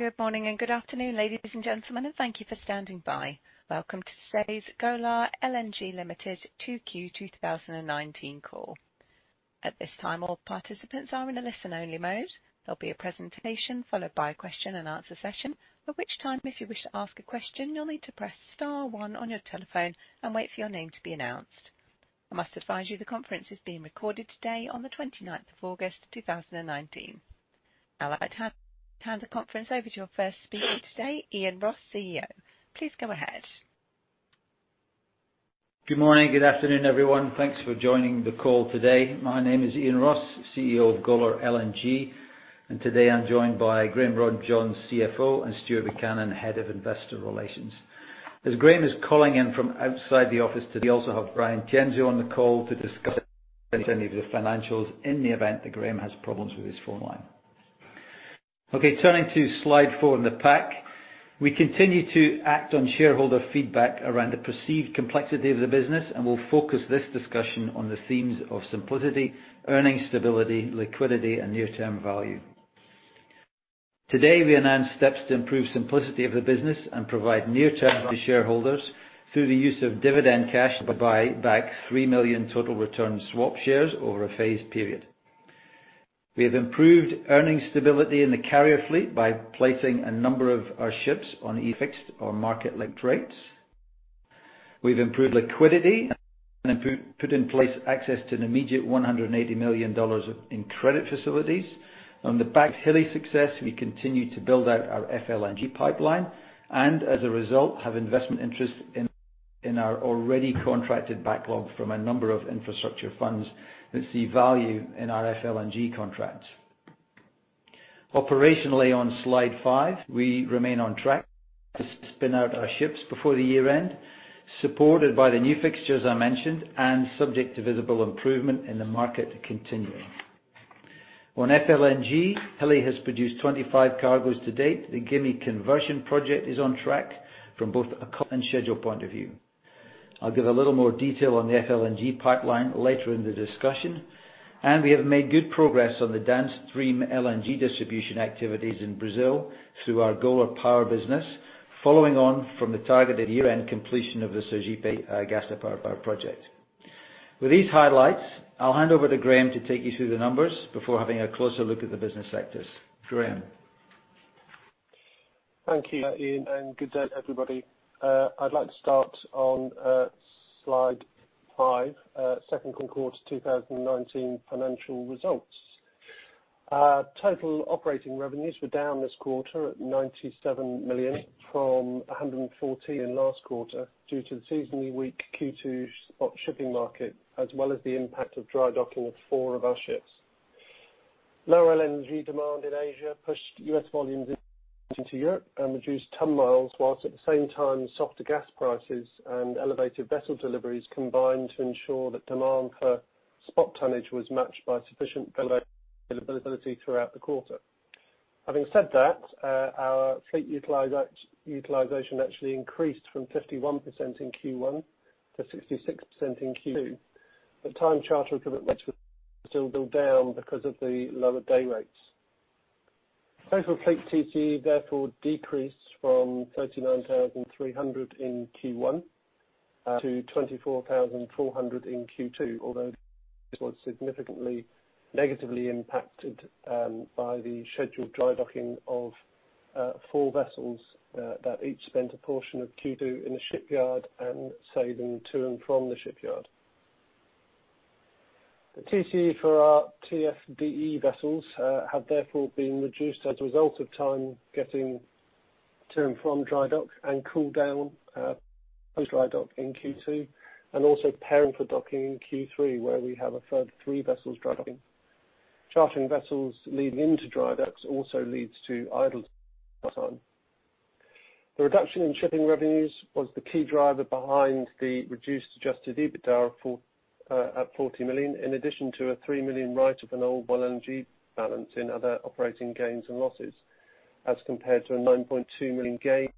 Good morning, and good afternoon, ladies and gentlemen, and thank you for standing by. Welcome to today's Golar LNG Limited 2Q2019 call. At this time, all participants are in a listen-only mode. There will be a presentation followed by a question and answer session. At which time, if you wish to ask a question, you will need to press star one on your telephone and wait for your name to be announced. I must advise you, the conference is being recorded today on the 29th of August 2019. I would like to hand the conference over to our first speaker today, Iain Ross, CEO. Please go ahead. Good morning, good afternoon, everyone. Thanks for joining the call today. My name is Iain Ross, CEO of Golar LNG. Today I am joined by Graham Robjohns, CFO, and Stuart Buchanan, Head of Investor Relations. As Graham is calling in from outside the office today, we also have Brian Tienzo on the call to discuss any of the financials in the event that Graham has problems with his phone line. Okay, turning to slide four in the pack. We continue to act on shareholder feedback around the perceived complexity of the business, and we will focus this discussion on the themes of simplicity, earning stability, liquidity, and near-term value. Today, we announce steps to improve simplicity of the business and provide near-term value to shareholders through the use of dividend cash to buy back 3 million total return swap shares over a phased period. We have improved earning stability in the carrier fleet by placing a number of our ships on either fixed or market-linked rates. We have improved liquidity and put in place access to an immediate $180 million in credit facilities. On the back of Hilli success, we continue to build out our FLNG pipeline and as a result, have investment interest in our already contracted backlog from a number of infrastructure funds that see value in our FLNG contracts. Operationally, on slide five, we remain on track to spin out our ships before the year-end, supported by the new fixtures I mentioned and subject to visible improvement in the market continuing. On FLNG, Hilli has produced 25 cargoes to date. The Gimi conversion project is on track from both a cost and schedule point of view. I will give a little more detail on the FLNG pipeline later in the discussion. We have made good progress on the downstream LNG distribution activities in Brazil through our Golar Power business, following on from the targeted year-end completion of the Sergipe gas turbine power project. With these highlights, I will hand over to Graham to take you through the numbers before having a closer look at the business sectors. Graham. Thank you, Iain. Good day, everybody. I'd like to start on slide five, second quarter 2019 financial results. Total operating revenues were down this quarter at $97 million from $114 million last quarter due to the seasonally weak Q2 spot shipping market, as well as the impact of dry docking of four of our ships. Lower LNG demand in Asia pushed U.S. volumes into Europe and reduced ton miles, whilst at the same time, softer gas prices and elevated vessel deliveries combined to ensure that demand for spot tonnage was matched by sufficient availability throughout the quarter. Having said that, our fleet utilization actually increased from 51% in Q1 to 66% in Q2. Time charter commitments were still down because of the lower day rates. Total fleet TCE therefore decreased from 39,300 in Q1 to 24,400 in Q2, although this was significantly negatively impacted by the scheduled dry docking of four vessels that each spent a portion of Q2 in the shipyard and sailing to and from the shipyard. The TCE for our TFDE vessels have therefore been reduced as a result of time getting to and from dry dock and cool down post dry dock in Q2, and also preparing for docking in Q3, where we have a further three vessels dry docking. Chartering vessels leading into dry docks also leads to idle time. The reduction in shipping revenues was the key driver behind the reduced adjusted EBITDA at $40 million, in addition to a $3 million write of an old LNG balance in other operating gains and losses, as compared to a $9.2 million gain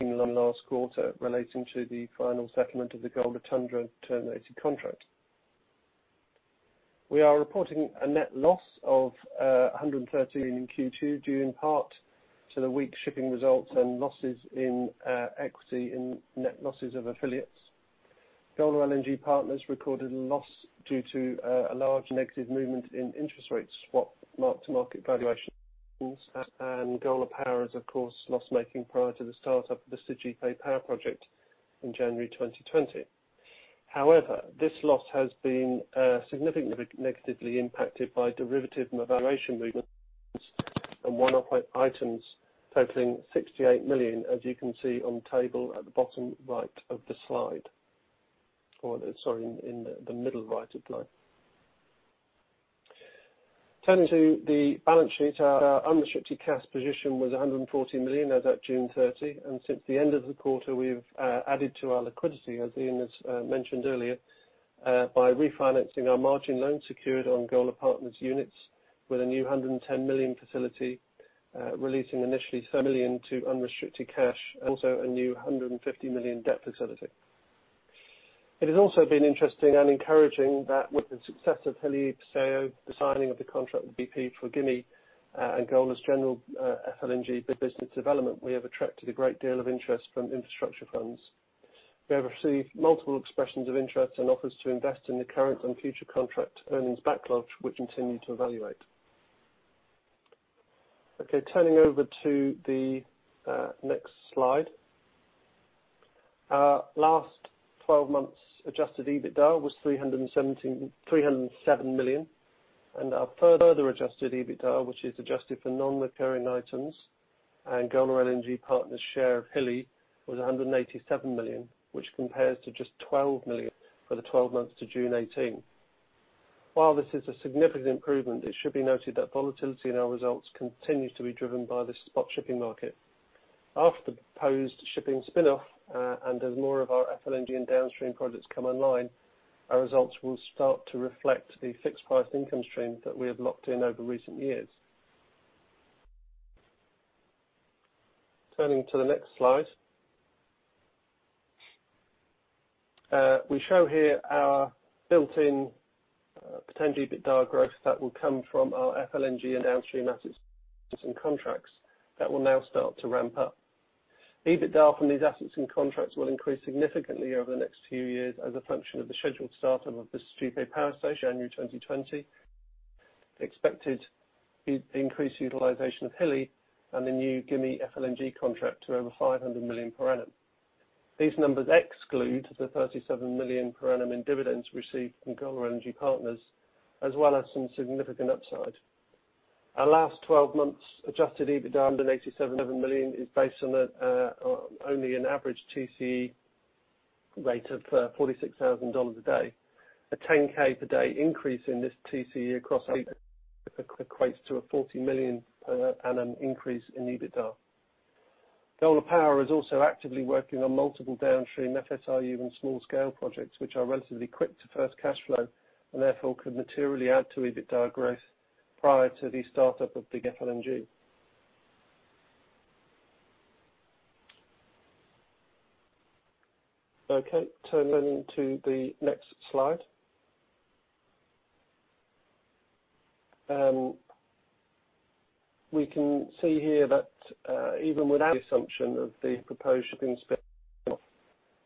in the last quarter relating to the final settlement of the Golar Tundra terminated contract. We are reporting a net loss of $113 million in Q2, due in part to the weak shipping results and losses in equity in net losses of affiliates. Golar LNG Partners recorded a loss due to a large negative movement in interest rate swap mark-to-market valuations, and Golar Power is of course loss-making prior to the start-up of the Sergipe Power project in January 2020. However, this loss has been significantly negatively impacted by derivative and valuation movements and one-off items totaling $68 million, as you can see on the table at the bottom right of the slide. Sorry, in the middle right of the slide. Turning to the balance sheet, our unrestricted cash position was $140 million as at June 30. Since the end of the quarter, we have added to our liquidity, as Iain has mentioned earlier, by refinancing our margin loan secured on Golar Partners units with a new $110 million facility, releasing initially $7 million to unrestricted cash, and also a new $150 million debt facility. It has also been interesting and encouraging that with the success of Hilli Episeyo, the signing of the contract with BP for Gimi, and Golar's general FLNG business development, we have attracted a great deal of interest from infrastructure funds. We have received multiple expressions of interest and offers to invest in the current and future contract earnings backlog, which we continue to evaluate. Okay, turning over to the next slide. Last 12 months adjusted EBITDA was $307 million. Our further adjusted EBITDA, which is adjusted for non-recurring items and Golar LNG Partners' share of Hilli, was $187 million, which compares to just $12 million for the 12 months to June 2018. While this is a significant improvement, it should be noted that volatility in our results continues to be driven by the spot shipping market. After the proposed shipping spin-off, and as more of our FLNG and downstream projects come online, our results will start to reflect the fixed-price income stream that we have locked in over recent years. Turning to the next slide. We show here our built-in potential EBITDA growth that will come from our FLNG and downstream assets and contracts that will now start to ramp up. EBITDA from these assets and contracts will increase significantly over the next few years as a function of the scheduled start of the Sergipe power station, January 2020, the expected increased utilization of Hilli, and the new Gimi FLNG contract to over $500 million per annum. These numbers exclude the $37 million per annum in dividends received from Golar LNG Partners, as well as some significant upside. Our last 12 months adjusted EBITDA under $187 million is based on only an average TCE rate of $46,000 a day. A $10K per day increase in this TCE across equates to a $40 million per annum increase in EBITDA. Golar Power is also actively working on multiple downstream FSRU and small scale projects, which are relatively quick to first cash flow and therefore can materially add to EBITDA growth prior to the start-up of big FLNG. Okay, turning to the next slide. We can see here that even without the assumption of the proposed shipping spin,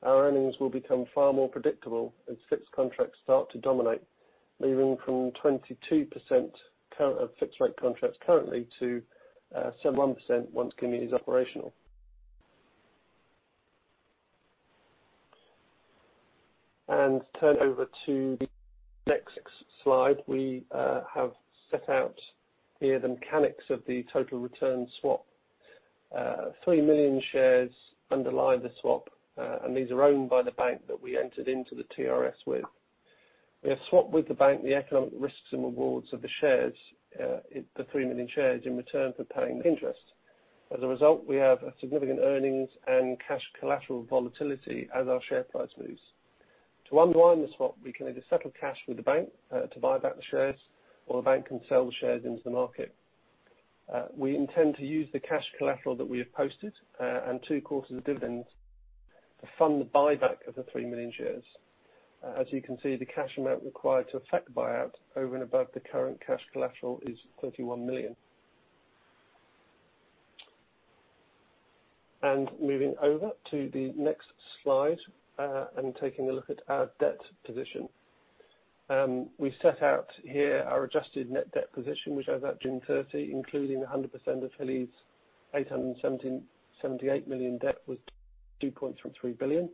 our earnings will become far more predictable as fixed-price contracts start to dominate, moving from 22% of fixed rate contracts currently to 71% once Gimi is operational. Turning over to the next slide. We have set out here the mechanics of the total return swap. 3 million shares underlie the swap, and these are owned by the bank that we entered into the TRS with. We have swapped with the bank the economic risks and rewards of the shares, the 3 million shares in return for paying interest. As a result, we have a significant earnings and cash collateral volatility as our share price moves. To unwind the swap, we can either settle cash with the bank to buy back the shares or the bank can sell the shares into the market. We intend to use the cash collateral that we have posted and two quarters of dividends to fund the buyback of the 3 million shares. As you can see, the cash amount required to effect the buyout over and above the current cash collateral is $31 million. Moving over to the next slide and taking a look at our debt position. We set out here our adjusted net debt position, which as at June 30, including 100% of Hilli's $878 million debt, was $2.3 billion,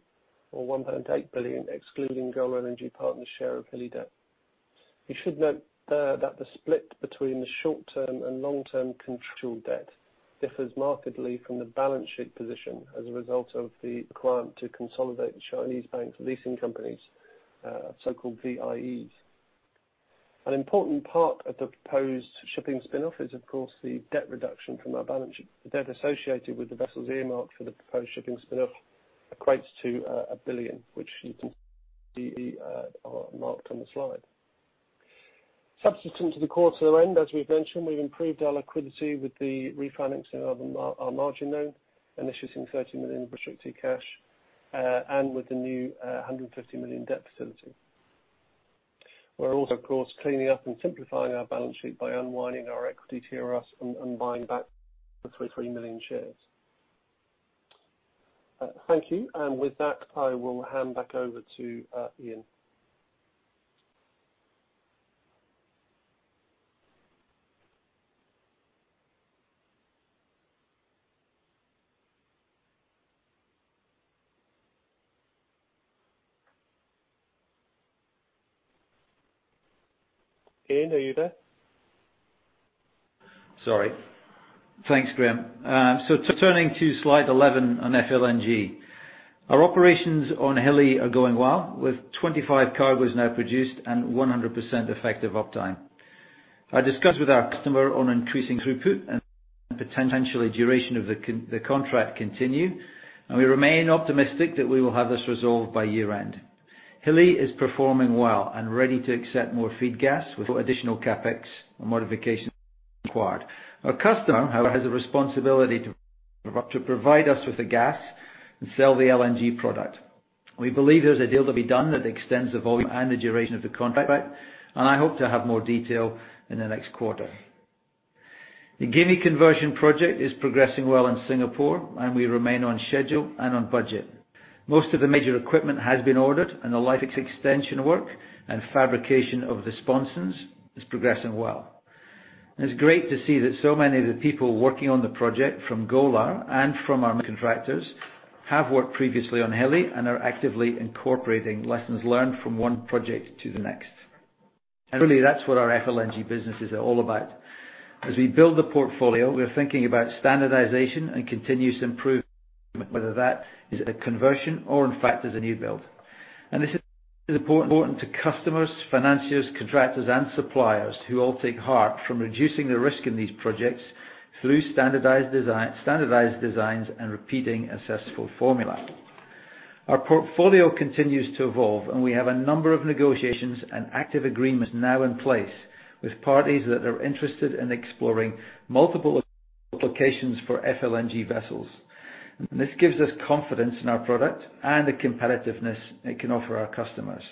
or $1.8 billion excluding Golar LNG Partners' share of Hilli debt. You should note that the split between the short-term and long-term contractual debt differs markedly from the balance sheet position as a result of the requirement to consolidate the Chinese banks leasing companies, so-called VIEs. An important part of the proposed shipping spin-off is, of course, the debt reduction from our balance sheet. The debt associated with the vessels earmarked for the proposed shipping spin-off equates to $1 billion, which you can see are marked on the slide. Subsequent to the quarter end, as we've mentioned, we've improved our liquidity with the refinancing of our margin loan and issuing $30 million of restricted cash, and with the new $150 million debt facility. We're also, of course, cleaning up and simplifying our balance sheet by unwinding our equity TRS and buying back the 3 million shares. Thank you. With that, I will hand back over to Iain. Iain, are you there? Thanks, Graham. Turning to slide 11 on FLNG. Our operations on Hilli are going well, with 25 cargoes now produced and 100% effective uptime. Our discussions with our customer on increasing throughput and potentially duration of the contract continue, and we remain optimistic that we will have this resolved by year-end. Hilli is performing well and ready to accept more feed gas with additional CapEx and modifications required. Our customer, however, has a responsibility to provide us with the gas and sell the LNG product. We believe there's a deal to be done that extends the volume and the duration of the contract, and I hope to have more detail in the next quarter. The Gimi conversion project is progressing well in Singapore, and we remain on schedule and on budget. Most of the major equipment has been ordered, the life extension work and fabrication of the sponsons is progressing well. It's great to see that so many of the people working on the project from Golar and from our main contractors have worked previously on Hilli and are actively incorporating lessons learned from one project to the next. Truly, that's what our FLNG businesses are all about. As we build the portfolio, we are thinking about standardization and continuous improvement, whether that is at a conversion or, in fact, as a new build. This is important to customers, financiers, contractors, and suppliers who all take heart from reducing the risk in these projects through standardized designs and repeating a successful formula. Our portfolio continues to evolve, and we have a number of negotiations and active agreements now in place with parties that are interested in exploring multiple applications for FLNG vessels. This gives us confidence in our product and the competitiveness it can offer our customers.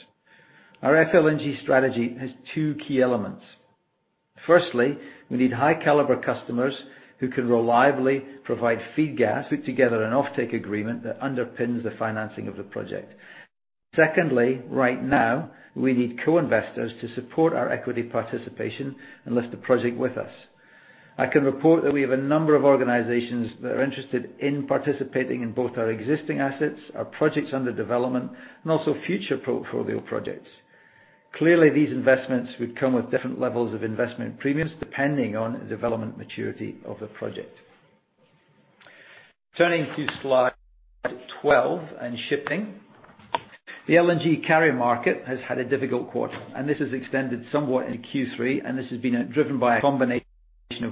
Our FLNG strategy has two key elements. Firstly, we need high-caliber customers who can reliably provide feed gas, put together an offtake agreement that underpins the financing of the project. Secondly, right now, we need co-investors to support our equity participation and lift the project with us. I can report that we have a number of organizations that are interested in participating in both our existing assets, our projects under development, and also future portfolio projects. Clearly, these investments would come with different levels of investment premiums depending on the development maturity of the project. Turning to slide 12 and shipping. The LNG carrier market has had a difficult quarter. This has extended somewhat in Q3. This has been driven by a combination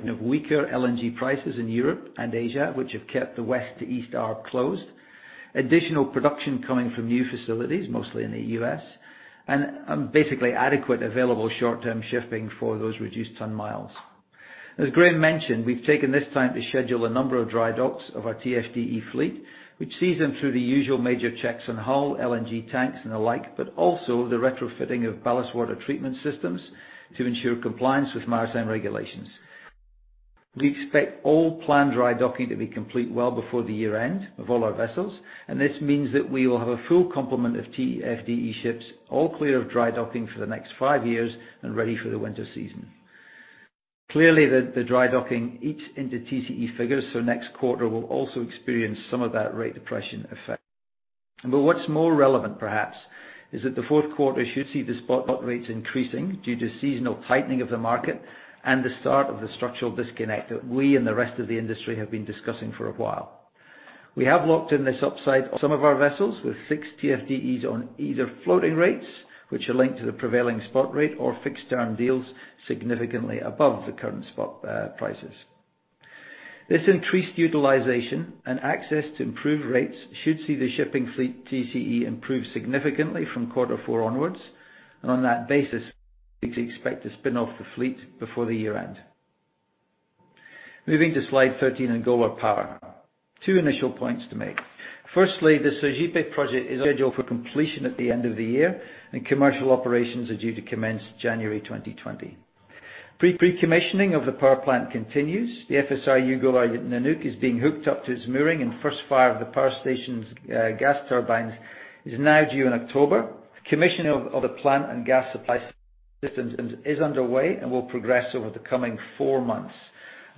of weaker LNG prices in Europe and Asia, which have kept the West to East arb closed, additional production coming from new facilities, mostly in the U.S., and basically adequate available short-term shipping for those reduced ton miles. As Graham mentioned, we've taken this time to schedule a number of dry docks of our TFDE fleet, which sees them through the usual major checks on hull, LNG tanks, and the like, but also the retrofitting of ballast water treatment systems to ensure compliance with maritime regulations. We expect all planned dry docking to be complete well before the year-end of all our vessels, and this means that we will have a full complement of TFDE ships, all clear of dry docking for the next five years and ready for the winter season. Clearly, the dry docking eats into TCE figures, so next quarter will also experience some of that rate depression effect. What's more relevant perhaps is that the fourth quarter should see the spot rates increasing due to seasonal tightening of the market and the start of the structural disconnect that we and the rest of the industry have been discussing for a while. We have locked in this upside some of our vessels with six TFDEs on either floating rates, which are linked to the prevailing spot rate or fixed term deals significantly above the current spot prices. This increased utilization and access to improved rates should see the shipping fleet TCE improve significantly from quarter four onwards. On that basis, we expect to spin off the fleet before the year-end. Moving to slide 13 in Golar Power. Two initial points to make. Firstly, the Sergipe project is scheduled for completion at the end of the year, and commercial operations are due to commence January 2020. Pre-commissioning of the power plant continues. The FSRU Golar Nanook is being hooked up to its mooring and first fire of the power station's gas turbines is now due in October. Commissioning of the plant and gas supply systems is underway and will progress over the coming four months.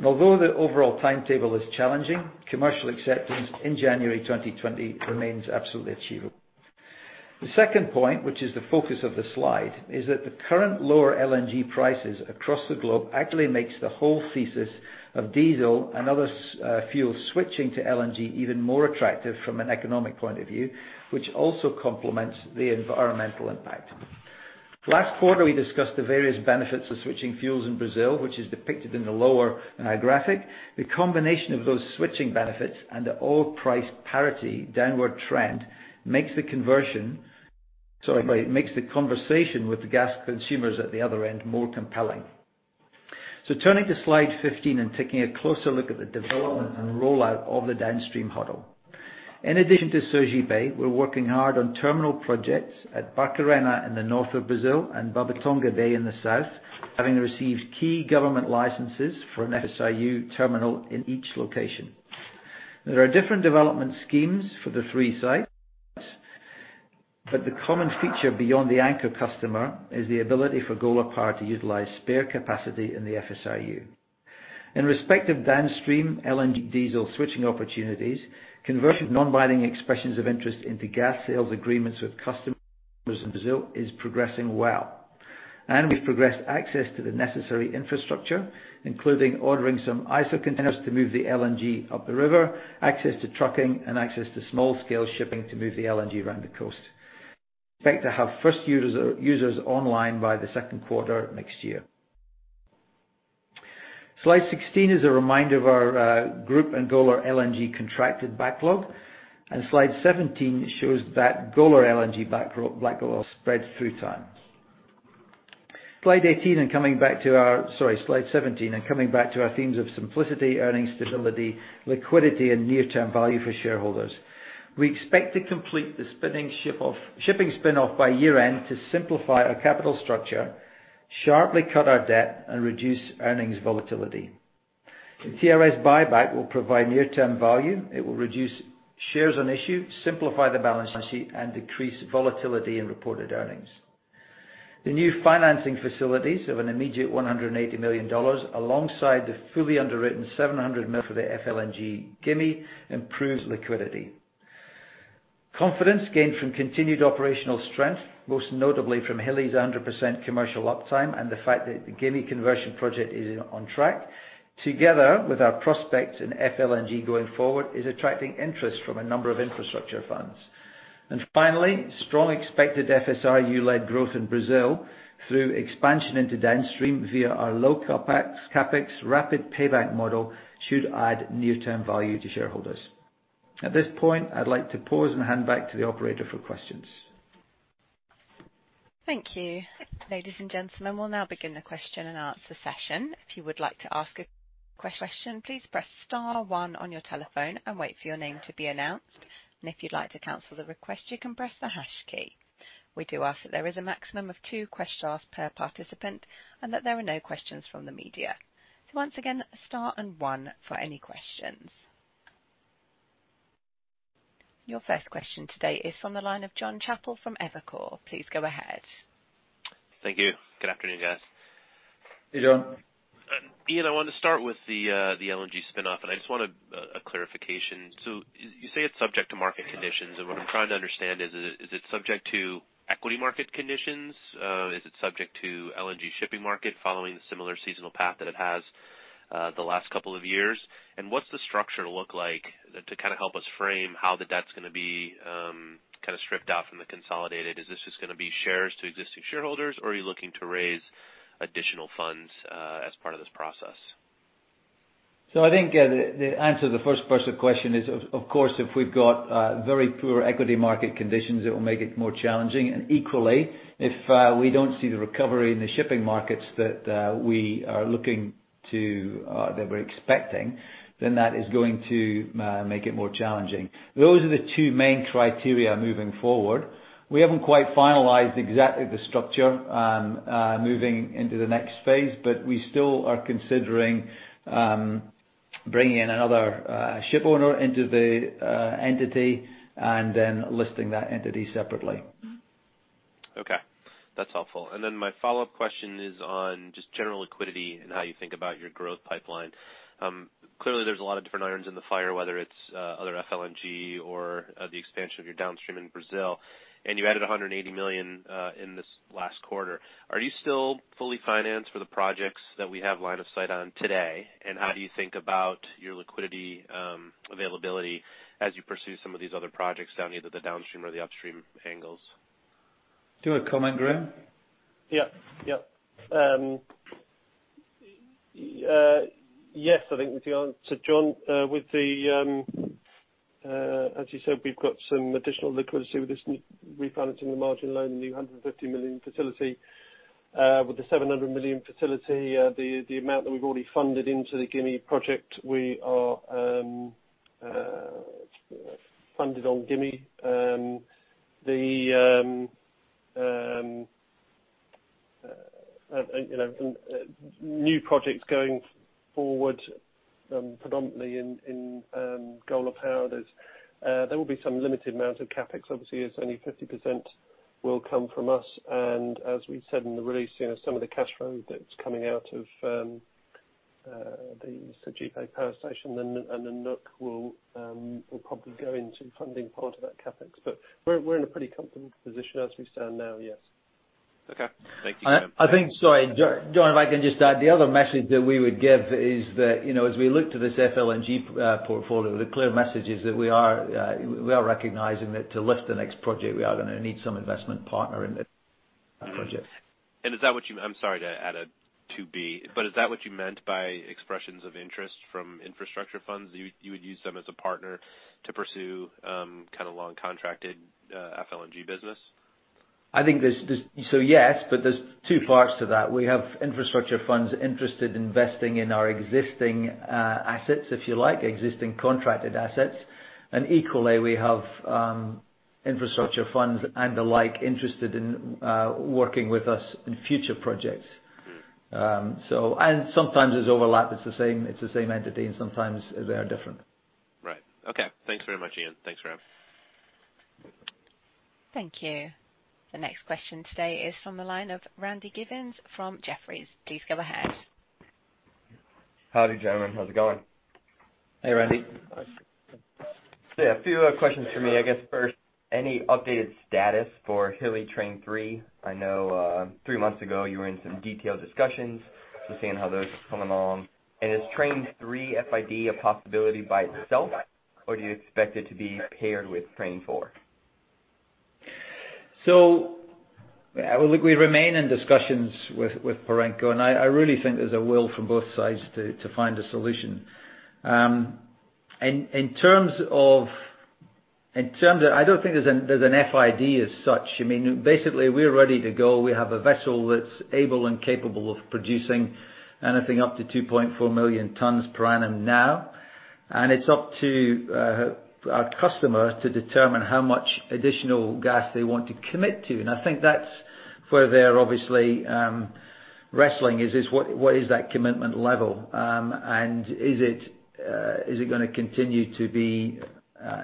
Although the overall timetable is challenging, commercial acceptance in January 2020 remains absolutely achievable. The second point, which is the focus of the slide, is that the current lower LNG prices across the globe actually makes the whole thesis of diesel and other fuel switching to LNG even more attractive from an economic point of view, which also complements the environmental impact. Last quarter, we discussed the various benefits of switching fuels in Brazil, which is depicted in the lower graphic. The combination of those switching benefits and the oil price parity downward trend makes the conversion, sorry, makes the conversation with the gas consumers at the other end more compelling. Turning to slide 15 and taking a closer look at the development and rollout of the downstream hurdle. In addition to Sergipe, we're working hard on terminal projects at Barcarena in the north of Brazil and Babitonga Bay in the south, having received key government licenses for an FSRU terminal in each location. There are different development schemes for the three sites, but the common feature beyond the anchor customer is the ability for Golar Power to utilize spare capacity in the FSRU. In respect of downstream LNG diesel switching opportunities, conversion of non-binding expressions of interest into gas sales agreements with customers in Brazil is progressing well. We've progressed access to the necessary infrastructure, including ordering some ISO containers to move the LNG up the river, access to trucking, and access to small-scale shipping to move the LNG around the coast. We expect to have first users online by the second quarter next year. Slide 16 is a reminder of our group and Golar LNG contracted backlog. Slide 17 shows that Golar LNG backhaul spreads through time. Slide 17, coming back to our themes of simplicity, earnings stability, liquidity, and near-term value for shareholders. We expect to complete the shipping spin-off by year-end to simplify our capital structure, sharply cut our debt, and reduce earnings volatility. The TRS buyback will provide near-term value. It will reduce shares on issue, simplify the balance sheet, and decrease volatility in reported earnings. The new financing facilities of an immediate $180 million, alongside the fully underwritten $700 million for the FLNG Gimi, improves liquidity. Confidence gained from continued operational strength, most notably from Hilli's 100% commercial uptime and the fact that the Gimi conversion project is on track, together with our prospects in FLNG going forward, is attracting interest from a number of infrastructure funds. Finally, strong expected FSRU-led growth in Brazil through expansion into downstream via our low CapEx rapid payback model should add near-term value to shareholders. At this point, I'd like to pause and hand back to the operator for questions. Thank you. Ladies and gentlemen, we'll now begin the question and answer session. If you would like to ask a question, please press star one on your telephone and wait for your name to be announced. If you'd like to cancel the request, you can press the hash key. We do ask that there is a maximum of two questions asked per participant, and that there are no questions from the media. Once again, star and one for any questions. Your first question today is from the line of Jonathan Chappell from Evercore. Please go ahead. Thank you. Good afternoon, guys. Hey, John. Iain, I wanted to start with the LNG spin-off, and I just want a clarification. You say it's subject to market conditions. What I'm trying to understand is it subject to equity market conditions? Is it subject to LNG shipping market following the similar seasonal path that it has the last couple of years? What's the structure look like to help us frame how the debt is going to be stripped out from the consolidated? Is this just going to be shares to existing shareholders, or are you looking to raise additional funds as part of this process? I think the answer to the first person question is, of course, if we've got very poor equity market conditions, it will make it more challenging. Equally, if we don't see the recovery in the shipping markets that we're expecting, then that is going to make it more challenging. Those are the two main criteria moving forward. We haven't quite finalized exactly the structure moving into the next phase, but we still are considering bringing in another ship owner into the entity and then listing that entity separately. Okay. That's helpful. Then my follow-up question is on just general liquidity and how you think about your growth pipeline. Clearly, there's a lot of different irons in the fire, whether it's other FLNG or the expansion of your downstream in Brazil. You added $180 million in this last quarter. Are you still fully financed for the projects that we have line of sight on today? How do you think about your liquidity availability as you pursue some of these other projects down either the downstream or the upstream angles? Do you want to comment, Graham? Yeah. Yes, I think to answer John, as you said, we've got some additional liquidity with this refinancing the margin loan, the new $150 million facility. With the $700 million facility, the amount that we've already funded into the Gimi project, we are funded on Gimi. New projects going forward predominantly in Golar Power, there will be some limited amount of CapEx. Obviously, it's only 50% will come from us. As we said in the release, some of the cash flow that's coming out of the Sergipe Power Station and the Nook will probably go into funding part of that CapEx. We're in a pretty comfortable position as we stand now, yes. Okay. Thank you. I think, sorry, John, if I can just add, the other message that we would give is that as we look to this FLNG portfolio, the clear message is that we are recognizing that to lift the next project, we are going to need some investment partner in that project. I'm sorry to add a 2B. Is that what you meant by expressions of interest from infrastructure funds? You would use them as a partner to pursue long contracted FLNG business? Yes, but there's two parts to that. We have infrastructure funds interested in investing in our existing assets, if you like, existing contracted assets. Equally, we have infrastructure funds and the like interested in working with us in future projects. Sometimes there's overlap, it's the same entity, and sometimes they are different. Right. Okay. Thanks very much, Iain. Thanks, Graham. Thank you. The next question today is from the line of Randy Giveans from Jefferies. Please go ahead. Howdy, gentlemen. How's it going? Hey, Randy. A few questions from me. First, any updated status for Hilli Train 3? I know three months ago you were in some detailed discussions. Just seeing how those are coming along. Is Train 3 FID a possibility by itself, or do you expect it to be paired with Train 4? We remain in discussions with Perenco, I really think there's a will from both sides to find a solution. I don't think there's an FID as such. Basically, we're ready to go. We have a vessel that's able and capable of producing anything up to 2.4 million tons per annum now, it's up to our customer to determine how much additional gas they want to commit to. I think that's where they're obviously wrestling is, what is that commitment level? Is it going to continue to be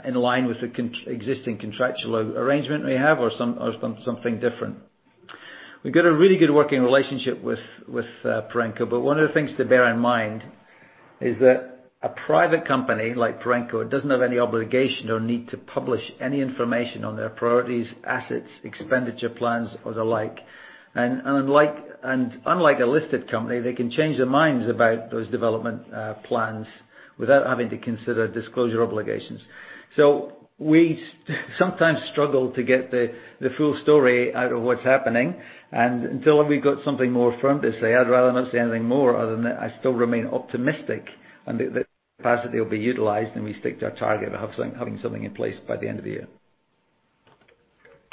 in line with the existing contractual arrangement we have or something different? We've got a really good working relationship with Perenco. One of the things to bear in mind is that a private company like Perenco doesn't have any obligation or need to publish any information on their priorities, assets, expenditure plans, or the like. Unlike a listed company, they can change their minds about those development plans without having to consider disclosure obligations. We sometimes struggle to get the full story out of what's happening, and until we've got something more firm to say, I'd rather not say anything more other than that I still remain optimistic and that capacity will be utilized, and we stick to our target of having something in place by the end of the year.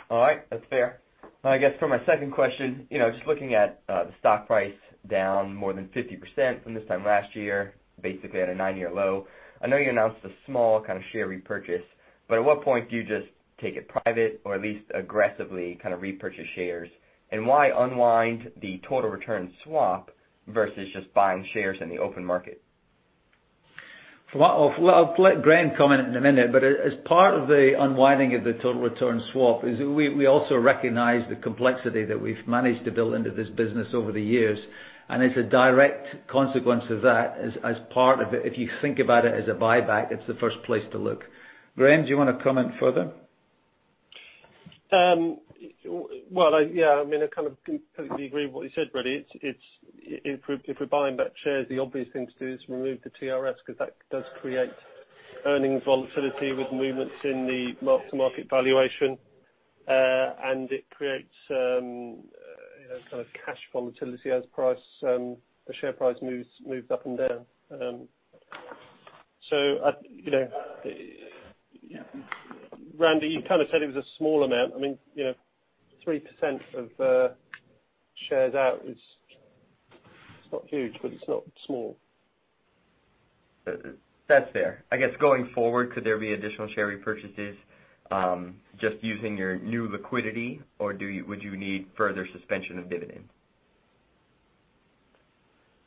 All right. That's fair. I guess for my second question, just looking at the stock price down more than 50% from this time last year, basically at a nine-year low. I know you announced a small share repurchase, at what point do you just take it private or at least aggressively repurchase shares? Why unwind the total return swap versus just buying shares in the open market? I'll let Graham comment in a minute. As part of the unwinding of the total return swap is we also recognize the complexity that we've managed to build into this business over the years. As a direct consequence of that, as part of it, if you think about it as a buyback, it's the first place to look. Graham, do you want to comment further? Well, yeah. I completely agree with what you said, really. If we're buying back shares, the obvious thing to do is remove the TRS because that does create earnings volatility with movements in the market-to-market valuation. It creates some kind of cash volatility as the share price moves up and down. Randy, you kind of said it was a small amount. 3% of shares out is, it's not huge, but it's not small. That's fair. I guess, going forward, could there be additional share repurchases, just using your new liquidity, or would you need further suspension of dividends?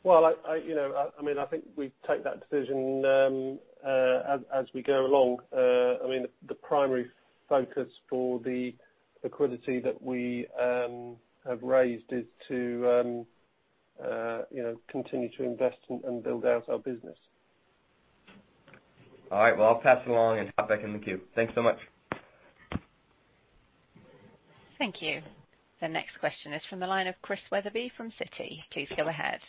Well, I think we take that decision as we go along. The primary focus for the liquidity that we have raised is to continue to invest and build out our business. All right. Well, I'll pass along and hop back in the queue. Thanks so much. Thank you. The next question is from the line of Chris Wetherbee from Citi. Please go ahead.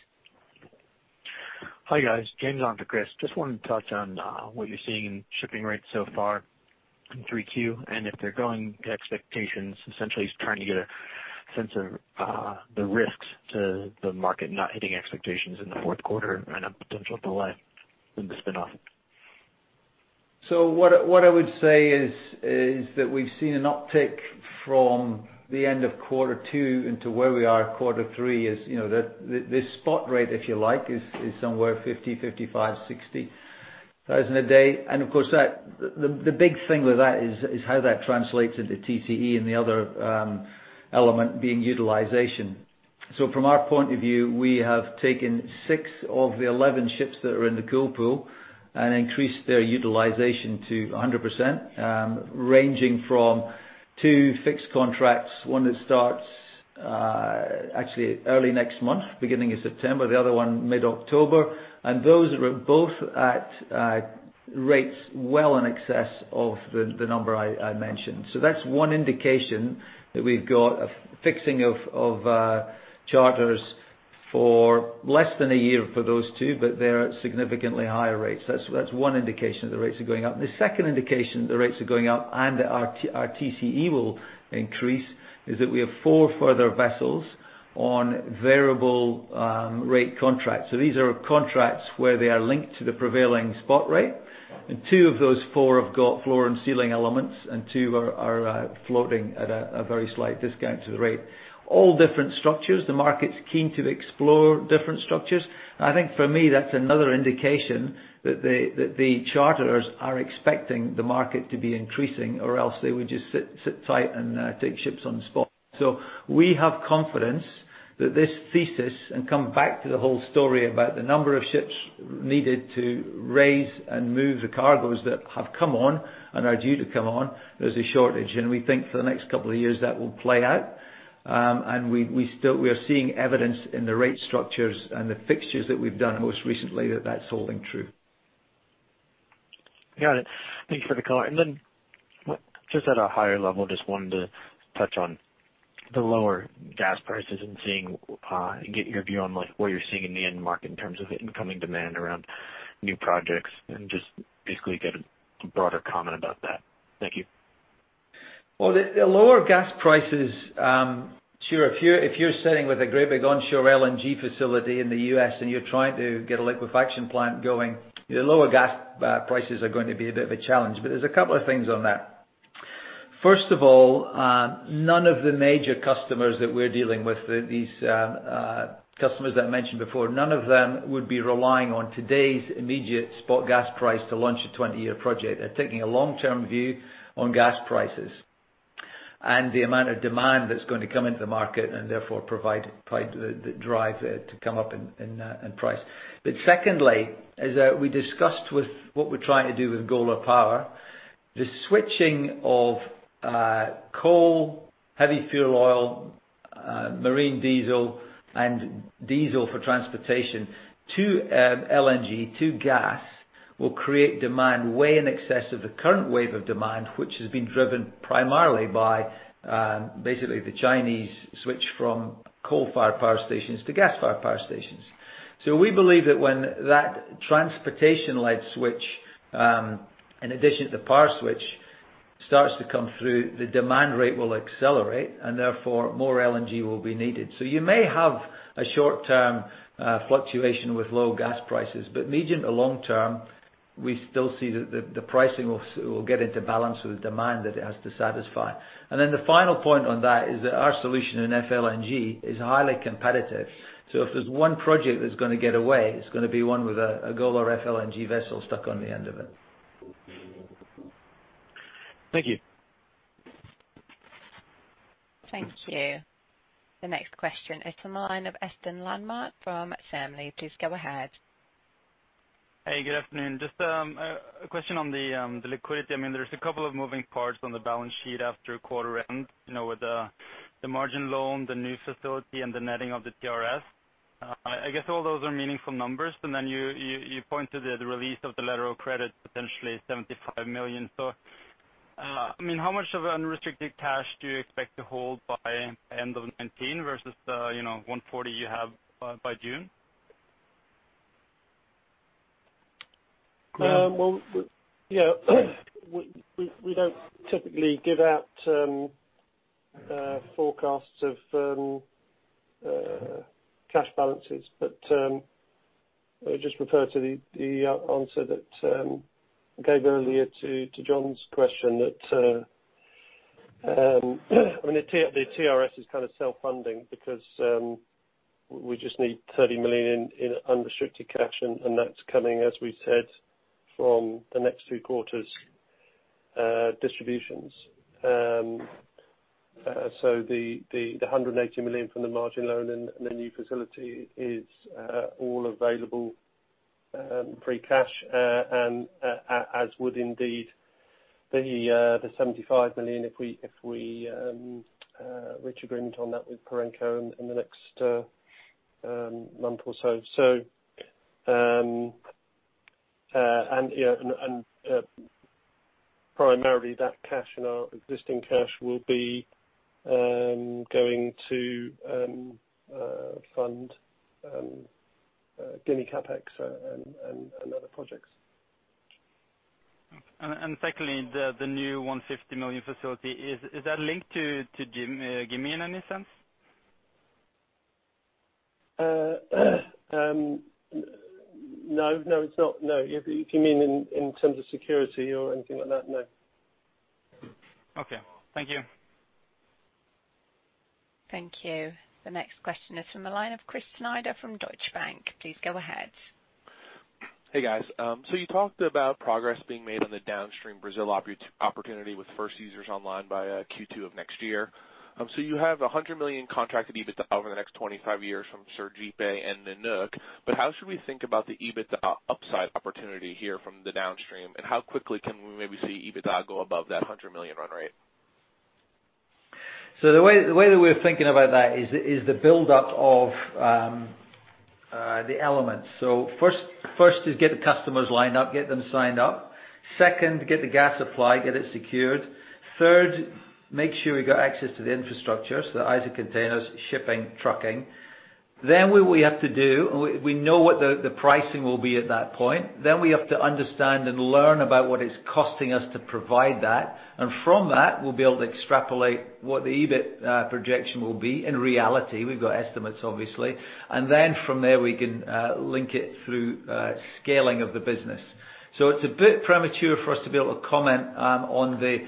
Hi, guys. James on for Chris. Just wanted to touch on what you're seeing in shipping rates so far in 3Q, and if they're going to expectations, essentially just trying to get a sense of the risks to the market not hitting expectations in the fourth quarter and a potential delay in the spin-off. What I would say is that we've seen an uptick from the end of quarter two into where we are quarter three is, this spot rate, if you like, is somewhere $50,000, $55,000, $60,000 a day. Of course, the big thing with that is how that translates into TCE and the other element being utilization. From our point of view, we have taken six of the 11 ships that are in The Cool Pool and increased their utilization to 100%, ranging from two fixed contracts, one that starts, actually early next month, beginning of September, the other one mid-October. Those are both at rates well in excess of the number I mentioned. That's one indication that we've got a fixing of charters for less than a year for those two, but they're at significantly higher rates. That's one indication that the rates are going up. The second indication the rates are going up and our TCE will increase is that we have four further vessels on variable rate contracts. These are contracts where they are linked to the prevailing spot rate. Two of those four have got floor and ceiling elements, and two are floating at a very slight discount to the rate. All different structures. The market's keen to explore different structures. I think for me, that's another indication that the charterers are expecting the market to be increasing or else they would just sit tight and take ships on the spot. We have confidence that this thesis, and come back to the whole story about the number of ships needed to raise and move the cargoes that have come on and are due to come on. There's a shortage. We think for the next couple of years, that will play out. We are seeing evidence in the rate structures and the fixtures that we've done most recently that that's holding true. Got it. Thank you for the color. Just at a higher level, just wanted to touch on the lower gas prices and get your view on what you're seeing in the end market in terms of incoming demand around new projects, and just basically get a broader comment about that. Thank you. Well, the lower gas prices. Sure, if you're sitting with a great big onshore LNG facility in the U.S. and you're trying to get a liquefaction plant going, the lower gas prices are going to be a bit of a challenge. There's a couple of things on that. First of all, none of the major customers that we're dealing with, these customers that I mentioned before, none of them would be relying on today's immediate spot gas price to launch a 20-year project. They're taking a long-term view on gas prices and the amount of demand that's going to come into the market, and therefore provide the drive to come up in price. Secondly, as we discussed with what we're trying to do with Golar Power, the switching of coal, heavy fuel oil, marine diesel, and diesel for transportation to LNG, to gas, will create demand way in excess of the current wave of demand, which has been driven primarily by basically the Chinese switch from coal-fired power stations to gas-fired power stations. We believe that when that transportation light switch, in addition to the power switch, starts to come through, the demand rate will accelerate and therefore more LNG will be needed. You may have a short-term fluctuation with low gas prices, but medium to long term, we still see that the pricing will get into balance with the demand that it has to satisfy. The final point on that is that our solution in FLNG is highly competitive. If there's one project that's going to get away, it's going to be one with a Golar FLNG vessel stuck on the end of it. Thank you. Thank you. The next question is on the line of Øystein Dahl from ABG Sundal Collier. Please go ahead. Hey, good afternoon. Just a question on the liquidity. There's a couple of moving parts on the balance sheet after quarter end, with the margin loan, the new facility, and the netting of the TRS. I guess all those are meaningful numbers. You point to the release of the collateral credit, potentially $75 million. How much of unrestricted cash do you expect to hold by end of 2019 versus the $140 you have by June? Graham? Yeah. We don't typically give out forecasts of cash balances. I would just refer to the answer that I gave earlier to John's question. The TRS is kind of self-funding because we just need $30 million in unrestricted cash, and that's coming, as we said, from the next 2 quarters' distributions. The $180 million from the margin loan and the new facility is all available free cash, as would indeed the $75 million if we reach agreement on that with Perenco in the next month or so. Primarily that cash and our existing cash will be going to fund Gimi CapEx and other projects. Secondly, the new $150 million facility, is that linked to Gimi in any sense? No, it's not. No. If you mean in terms of security or anything like that. No. Okay. Thank you. Thank you. The next question is from the line of Chris Snyder from Deutsche Bank. Please go ahead. Hey, guys. You talked about progress being made on the downstream Brazil opportunity with first users online via Q2 of next year. You have $100 million contracted EBITDA over the next 25 years from Sergipe and Nanook. How should we think about the EBITDA upside opportunity here from the downstream, and how quickly can we maybe see EBITDA go above that $100 million run rate? The way that we're thinking about that is the buildup of the elements. First is get the customers lined up, get them signed up. Second, get the gas supply, get it secured. Third, make sure we got access to the infrastructure, so the ISO containers, shipping, trucking. What we have to do, we know what the pricing will be at that point. We have to understand and learn about what it's costing us to provide that. From that, we'll be able to extrapolate what the EBIT projection will be. In reality, we've got estimates, obviously. From there we can link it through scaling of the business. It's a bit premature for us to be able to comment on the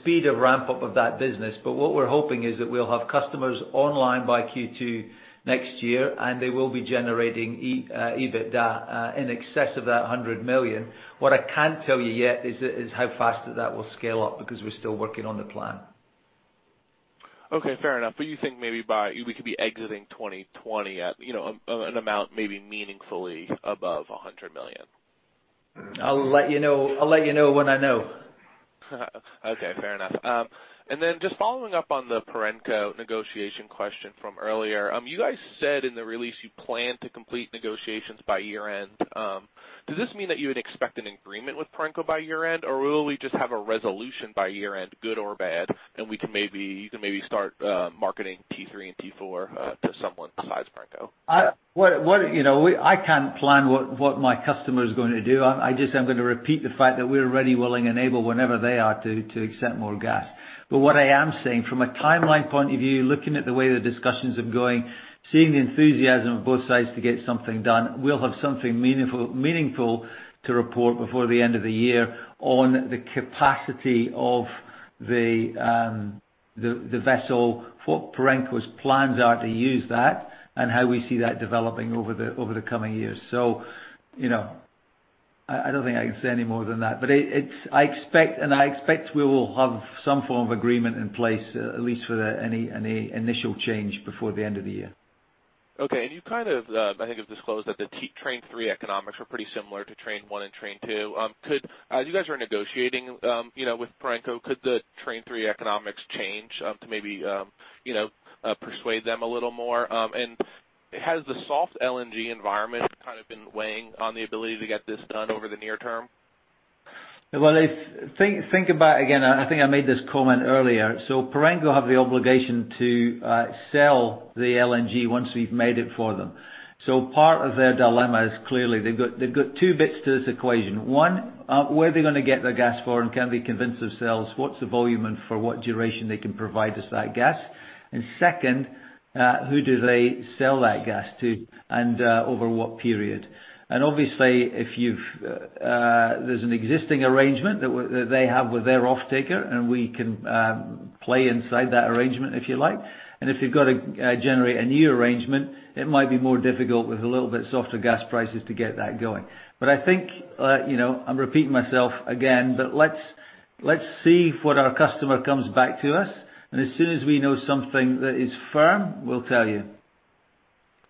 speed of ramp-up of that business. What we're hoping is that we'll have customers online by Q2 next year, and they will be generating EBITDA in excess of that $100 million. What I can't tell you yet is how fast that will scale up, because we're still working on the plan. Okay, fair enough. You think maybe we could be exiting 2020 at an amount maybe meaningfully above $100 million? I'll let you know when I know. Just following up on the Perenco negotiation question from earlier. You guys said in the release you plan to complete negotiations by year-end. Does this mean that you would expect an agreement with Perenco by year-end, or will we just have a resolution by year-end, good or bad, and you can maybe start marketing P3 and P4 to someone besides Perenco? I can't plan what my customer's going to do. I just am going to repeat the fact that we're ready, willing, and able whenever they are to accept more gas. What I am saying, from a timeline point of view, looking at the way the discussions are going, seeing the enthusiasm of both sides to get something done, we'll have something meaningful to report before the end of the year on the capacity of the vessel, what Perenco's plans are to use that, and how we see that developing over the coming years. I don't think I can say any more than that. I expect we will have some form of agreement in place, at least for any initial change before the end of the year. Okay. You kind of, I think, have disclosed that the Train 3 economics were pretty similar to Train 1 and Train 2. As you guys are negotiating with Perenco, could the Train 3 economics change to maybe persuade them a little more? Has the soft LNG environment been weighing on the ability to get this done over the near term? Think about it again, I think I made this comment earlier. Perenco have the obligation to sell the LNG once we've made it for them. Part of their dilemma is clearly they've got two bits to this equation. One, where are they going to get their gas for, and can they convince themselves what's the volume and for what duration they can provide us that gas? Second, who do they sell that gas to and over what period? Obviously, there's an existing arrangement that they have with their offtaker, and we can play inside that arrangement if you like. If you've got to generate a new arrangement, it might be more difficult with a little bit softer gas prices to get that going. I think, I'm repeating myself again, but let's see what our customer comes back to us. As soon as we know something that is firm, we'll tell you.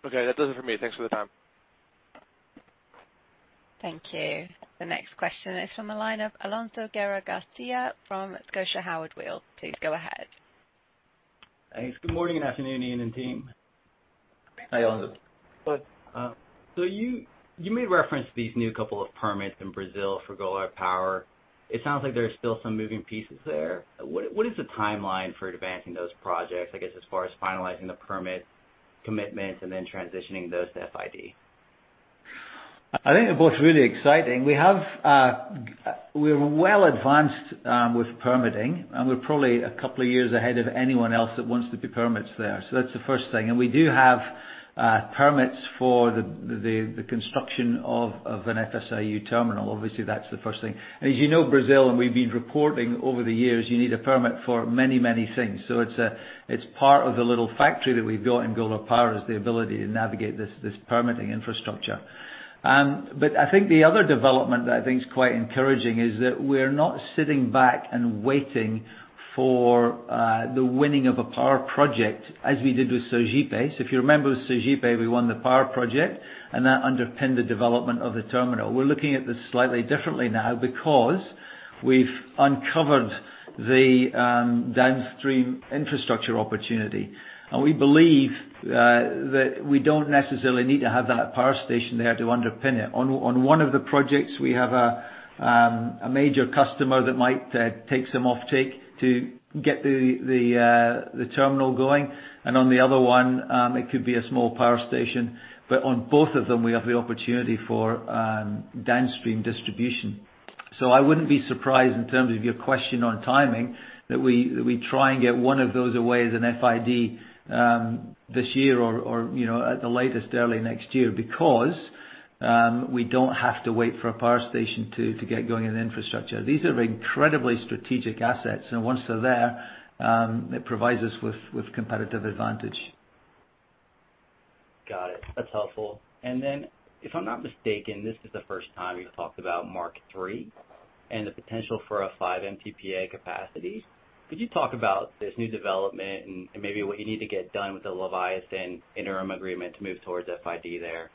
Okay. That does it for me. Thanks for the time. Thank you. The next question is from the line of Alonso Guerra-Garcia from Scotiabank. Please go ahead. Thanks. Good morning and afternoon, Iain and team. Hi, Alonso. You made reference to these new couple of permits in Brazil for Golar Power. It sounds like there are still some moving pieces there. What is the timeline for advancing those projects, I guess, as far as finalizing the permit commitments and then transitioning those to FID? I think they're both really exciting. We're well advanced with permitting, and we're probably a couple of years ahead of anyone else that wants to do permits there. That's the first thing. We do have permits for the construction of an FSRU terminal. Obviously, that's the first thing. As you know, Brazil, and we've been reporting over the years, you need a permit for many, many things. It's part of the little factory that we've got in Golar Power, is the ability to navigate this permitting infrastructure. I think the other development that I think is quite encouraging is that we're not sitting back and waiting for the winning of a power project as we did with Sergipe. If you remember with Sergipe, we won the power project, and that underpinned the development of the terminal. We're looking at this slightly differently now because we've uncovered the downstream infrastructure opportunity. We believe that we don't necessarily need to have that power station there to underpin it. On one of the projects, we have a major customer that might take some offtake to get the terminal going. On the other one, it could be a small power station. On both of them, we have the opportunity for downstream distribution. I wouldn't be surprised in terms of your question on timing, that we try and get one of those away as an FID this year or at the latest early next year, because, we don't have to wait for a power station to get going in infrastructure. These are incredibly strategic assets, and once they're there, it provides us with competitive advantage. Got it. That's helpful. If I'm not mistaken, this is the first time you've talked about Mark III and the potential for a 5 MTPA capacity. Could you talk about this new development and maybe what you need to get done with the Leviathan interim agreement to move towards FID there?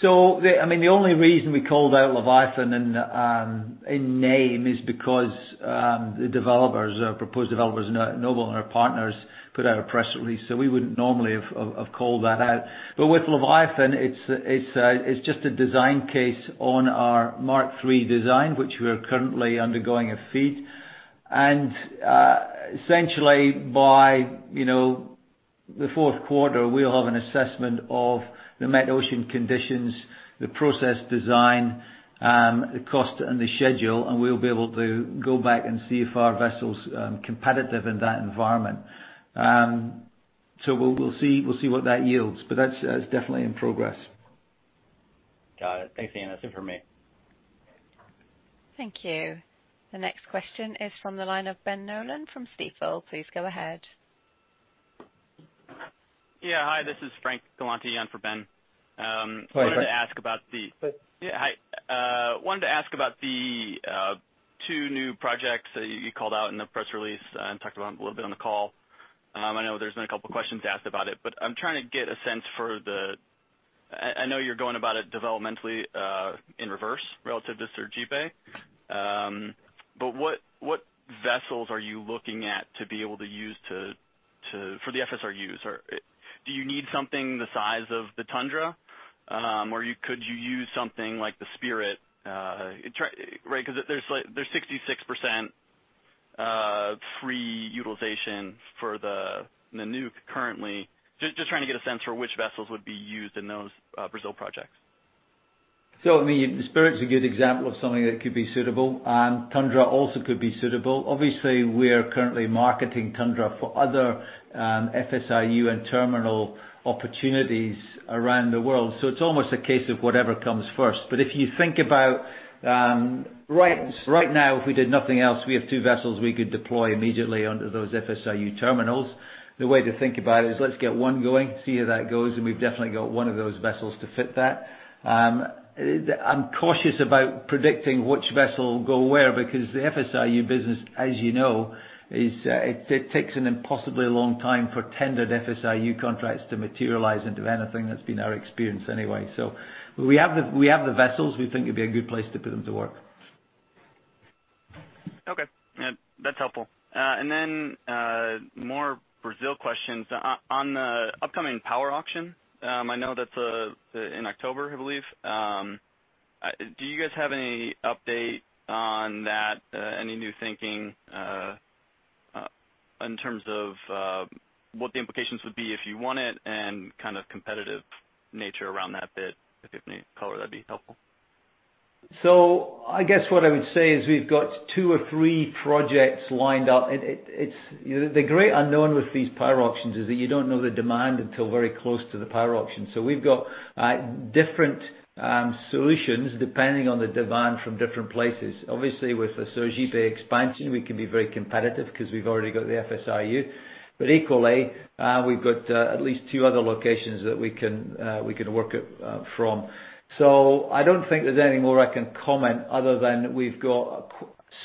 The only reason we called out Leviathan in name is because the proposed developers, Noble and our partners, put out a press release. We wouldn't normally have called that out. With Leviathan, it's just a design case on our Mark III design, which we are currently undergoing a FEED. Essentially, by the fourth quarter, we'll have an assessment of the metocean conditions, the process design, the cost, and the schedule, and we'll be able to go back and see if our vessel's competitive in that environment. We'll see what that yields. That's definitely in progress. Got it. Thanks, Ian. That's it for me. Thank you. The next question is from the line of Ben Nolan from Stifel. Please go ahead. Hi, Ben. Yeah. Hi. Two new projects that you called out in the press release and talked about a little bit on the call. I know there's been a couple of questions asked about it, I'm trying to get a sense for I know you're going about it developmentally in reverse relative to Sergipe. What vessels are you looking at to be able to use for the FSRUs? Do you need something the size of the Tundra? Could you use something like the Spirit? There's 66% free utilization for the Nanook currently. Just trying to get a sense for which vessels would be used in those Brazil projects. The Spirit's a good example of something that could be suitable. Tundra also could be suitable. Obviously, we are currently marketing Tundra for other FSRU and terminal opportunities around the world. It's almost a case of whatever comes first. If you think about right now, if we did nothing else, we have two vessels we could deploy immediately under those FSRU terminals. The way to think about it is let's get one going, see how that goes, and we've definitely got one of those vessels to fit that. I'm cautious about predicting which vessel will go where, because the FSRU business, as you know, it takes an impossibly long time for tendered FSRU contracts to materialize into anything. That's been our experience anyway. We have the vessels. We think it'd be a good place to put them to work. Okay. That's helpful. Then more Brazil questions. On the upcoming power auction, I know that's in October, I believe. Do you guys have any update on that? Any new thinking, in terms of what the implications would be if you won it and kind of competitive nature around that bit? If you have any color, that'd be helpful. I guess what I would say is we've got two or three projects lined up. The great unknown with these power auctions is that you don't know the demand until very close to the power auction. We've got different solutions depending on the demand from different places. Obviously, with the Sergipe expansion, we can be very competitive because we've already got the FSRU. Equally, we've got at least two other locations that we can work from. I don't think there's any more I can comment other than we've got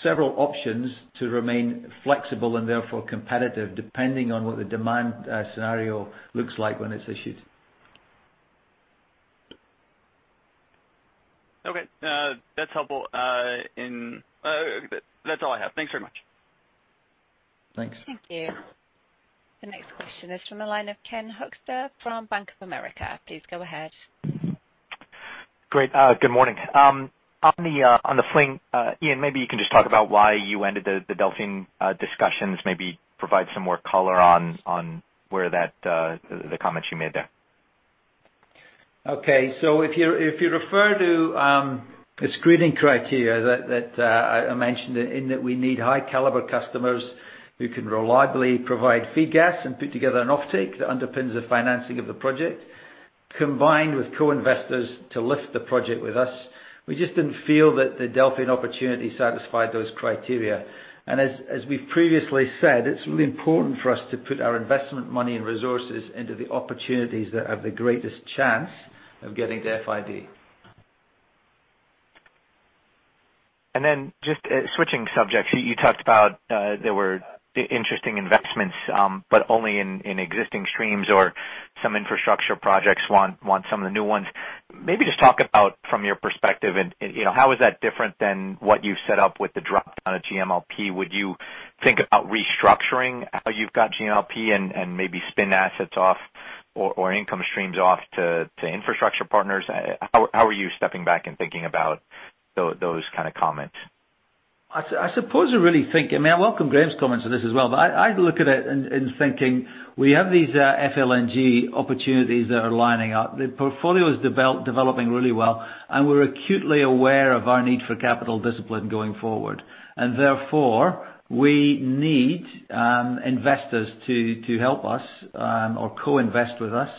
several options to remain flexible and therefore competitive, depending on what the demand scenario looks like when it's issued. Okay. That's helpful. That's all I have. Thanks very much. Thanks. Thank you. The next question is from the line of Ken Hoexter from Bank of America. Please go ahead. Great. Good morning. On the FLNG, Iain, maybe you can just talk about why you ended the Delfin discussions, maybe provide some more color on the comments you made there. Okay. If you refer to the screening criteria that I mentioned in that we need high caliber customers who can reliably provide feed gas and put together an offtake that underpins the financing of the project, combined with co-investors to lift the project with us. We just didn't feel that the Delfin opportunity satisfied those criteria. As we've previously said, it's really important for us to put our investment money and resources into the opportunities that have the greatest chance of getting to FID. Just switching subjects, you talked about there were interesting investments, but only in existing streams or some infrastructure projects want some of the new ones. Maybe just talk about from your perspective and how is that different than what you've set up with the drop down at GMLP? Would you think about restructuring how you've got GMLP and maybe spin assets off or income streams off to infrastructure partners? How are you stepping back and thinking about those kind of comments? I suppose I really think, I welcome Graham's comments on this as well, but I look at it in thinking we have these FLNG opportunities that are lining up. The portfolio is developing really well, and we're acutely aware of our need for capital discipline going forward. Therefore, we need investors to help us or co-invest with us.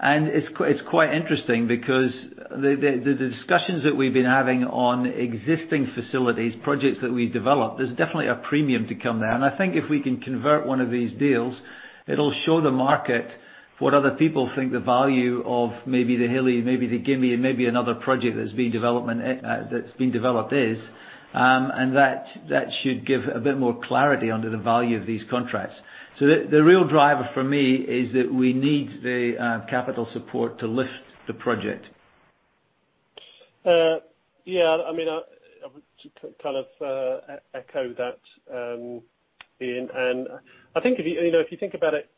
It's quite interesting because the discussions that we've been having on existing facilities, projects that we developed, there's definitely a premium to come there. I think if we can convert one of these deals, it'll show the market what other people think the value of maybe the Hilli, maybe the Gimi, maybe another project that's been developed is, and that should give a bit more clarity under the value of these contracts. The real driver for me is that we need the capital support to lift the project. Yeah, I would echo that, Iain. If you think about it,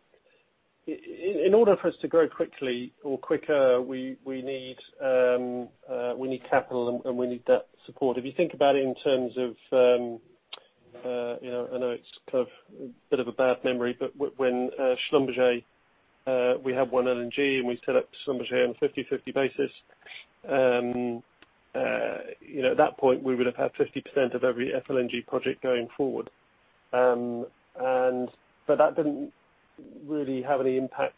in order for us to grow quickly or quicker, we need capital and we need that support. If you think about it in terms of, I know it's a bit of a bad memory, but when Schlumberger, we had OneLNG, and we set up Schlumberger on a 50/50 basis. At that point, we would have had 50% of every FLNG project going forward. That didn't really have any impact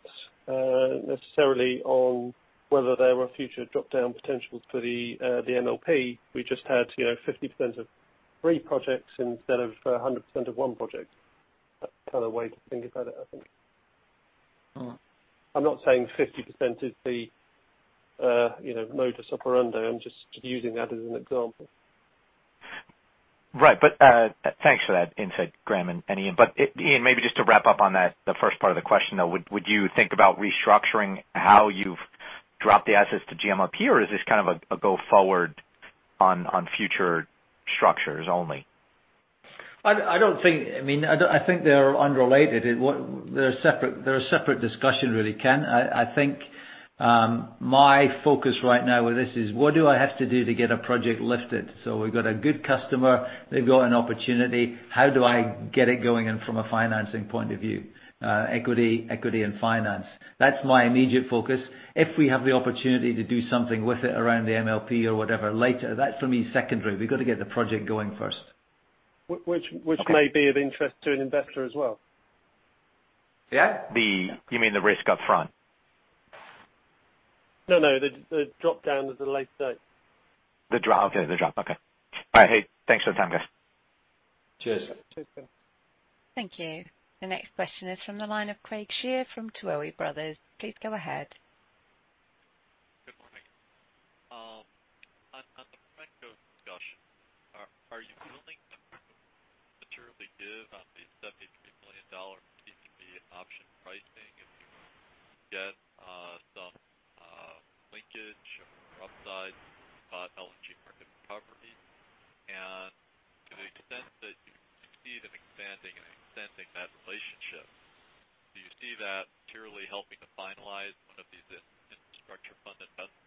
necessarily on whether there were future drop-down potentials for the MLP. We just had 50% of three projects instead of 100% of one project. That kind of way to think about it, I think. I'm not saying 50% is the modus operandi. I'm just using that as an example. Right. Thanks for that insight, Graham and Ian. Ian, maybe just to wrap up on that, the first part of the question, though, would you think about restructuring how you've dropped the assets to GMLP? Or is this kind of a go forward on future structures only? I think they are unrelated. They're a separate discussion, really, Ken. I think my focus right now with this is what do I have to do to get a project lifted? We've got a good customer, they've got an opportunity. How do I get it going in from a financing point of view? Equity and finance. That's my immediate focus. If we have the opportunity to do something with it around the MLP or whatever later, that's for me secondary. We've got to get the project going first. Which may be of interest to an investor as well. Yeah. You mean the risk up front? No, the drop down at a later date. The drop. Okay. All right. Hey, thanks for the time, guys. Cheers. Cheers. Thank you. The next question is from the line of Craig Shere from Tuohy Brothers. Please go ahead. Good morning. On the Perenco discussion, are you willing to materially give on the $73 million PCB option pricing if you get some linkage or upside LNG market recovery? To the extent that you succeed in expanding and extending that relationship, do you see that materially helping to finalize one of these infrastructure funded vessels?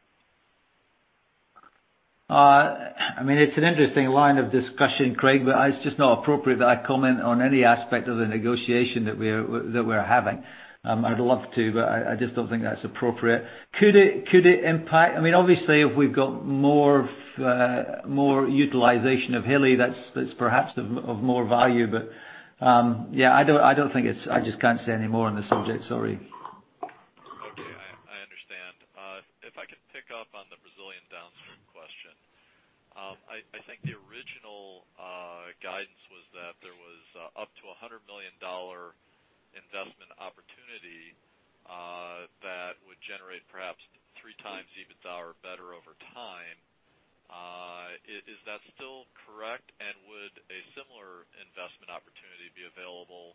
It's an interesting line of discussion, Craig Shere, but it's just not appropriate that I comment on any aspect of the negotiation that we're having. I'd love to, but I just don't think that's appropriate. Could it impact-- obviously, if we've got more utilization of Hilli, that's perhaps of more value. Yeah, I just can't say any more on this subject, sorry. Okay. I understand. If I can pick up on the Brazilian downstream question. I think the original guidance was that there was up to $100 million investment opportunity that would generate perhaps three times EBITDA or better over time. Is that still correct? Would a similar investment opportunity be available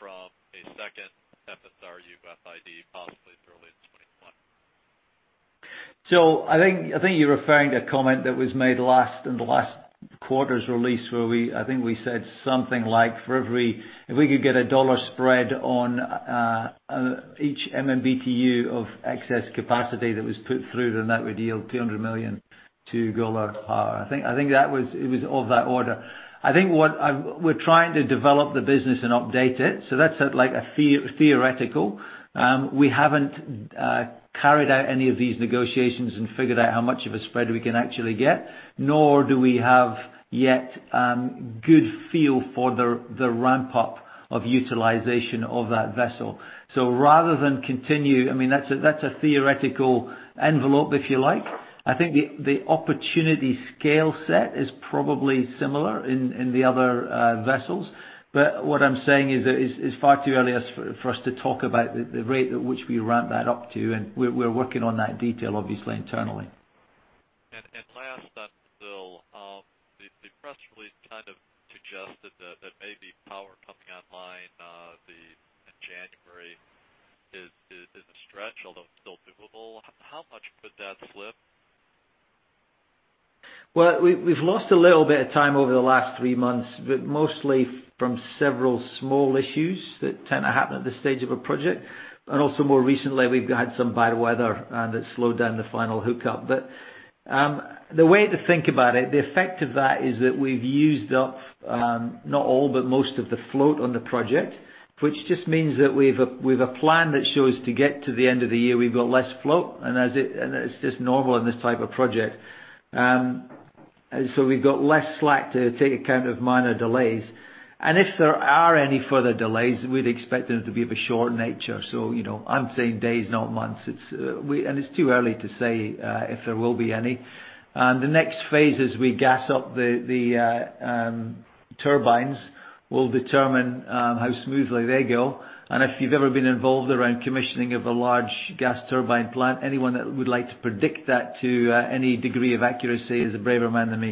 from a second FSRU FID possibly early in 2021? I think you're referring to a comment that was made in the last quarter's release, where I think we said something like, if we could get a dollar spread on each MMBTU of excess capacity that was put through then that would yield $200 million to Golar Power. I think it was of that order. I think we're trying to develop the business and update it, so that's like a theoretical. We haven't carried out any of these negotiations and figured out how much of a spread we can actually get, nor do we have yet good feel for the ramp-up of utilization of that vessel. Rather than continue, that's a theoretical envelope, if you like. I think the opportunity scale set is probably similar in the other vessels. What I'm saying is it's far too early for us to talk about the rate at which we ramp that up to, and we're working on that detail, obviously, internally. Last on Brazil. The press release kind of suggested that maybe power coming online in January is a stretch, although still doable. How much could that slip? Well, we've lost a little bit of time over the last 3 months, but mostly from several small issues that tend to happen at this stage of a project. Also more recently, we've had some bad weather that slowed down the final hookup. The way to think about it, the effect of that is that we've used up not all, but most of the float on the project, which just means that we've a plan that shows to get to the end of the year, we've got less float, and that is just normal in this type of project. We've got less slack to take account of minor delays. If there are any further delays, we'd expect them to be of a short nature. I'm saying days, not months. It's too early to say if there will be any. The next phase is we gas up the turbines. We'll determine how smoothly they go. If you've ever been involved around commissioning of a large gas turbine plant, anyone that would like to predict that to any degree of accuracy is a braver man than me.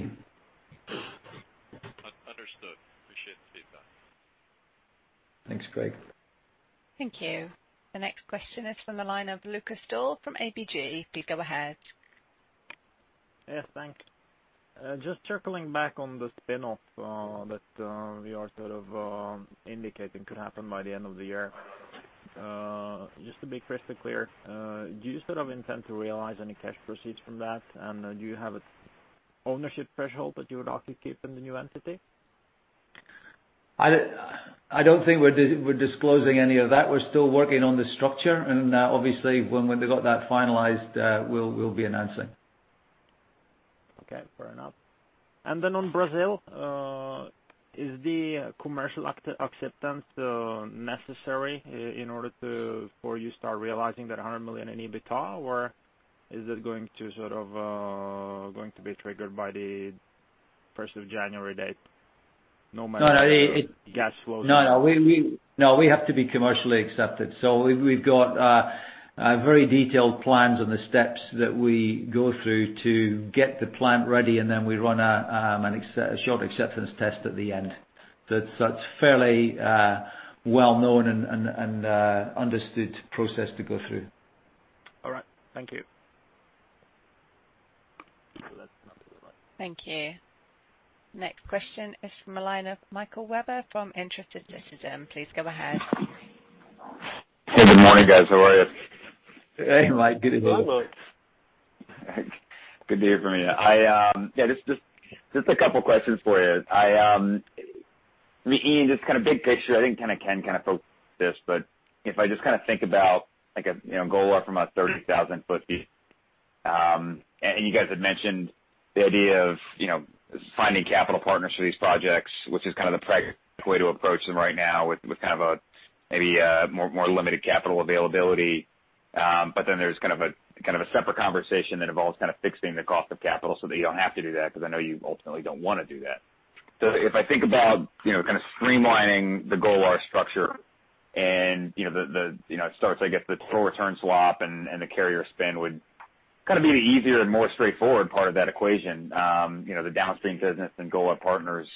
Understood. Appreciate the feedback. Thanks, Craig. Thank you. The next question is from the line of Lukas Daul from ABG. Please go ahead. Yes, thanks. Just circling back on the spinoff that we are sort of indicating could happen by the end of the year. Just to be crystal clear, do you sort of intend to realize any cash proceeds from that? Do you have an ownership threshold that you would like to keep in the new entity? I don't think we're disclosing any of that. We're still working on the structure. Obviously when we got that finalized, we'll be announcing. Okay, fair enough. On Brazil, is the commercial acceptance necessary in order for you to start realizing that $100 million in EBITDA, or is it going to be triggered by the 1st of January date? We have to be commercially accepted. We've got very detailed plans on the steps that we go through to get the plant ready, and then we run a short acceptance test at the end. That's fairly well-known and understood process to go through. All right. Thank you. Thank you. Next question is from the line of Michael Webber from Webber Research & Advisory. Please go ahead. Hey. Good morning, guys. How are you? Hey, Mike. Good to hear. Hi, Mike. Good to hear from you. Just a couple questions for you. Iain, just kind of big picture, I think Ken kind of focused this, but if I just think about Golar from a 30,000-foot view, you guys had mentioned the idea of finding capital partners for these projects, which is the way to approach them right now with maybe a more limited capital availability. There's a separate conversation that involves fixing the cost of capital so that you don't have to do that, because I know you ultimately don't want to do that. If I think about streamlining the Golar structure and it starts, I guess, the total return swap and the carrier spin would be the easier and more straightforward part of that equation. The downstream business and Golar partners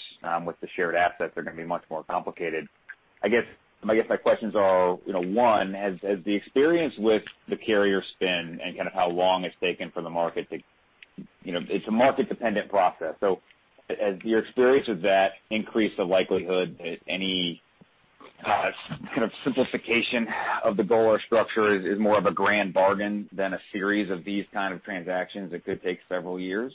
with the shared assets are going to be much more complicated. I guess my questions are, one, has the experience with the carrier spin and how long it's taken for the market? It's a market-dependent process. Has your experience with that increased the likelihood that any kind of simplification of the Golar structure is more of a grand bargain than a series of these kind of transactions that could take several years?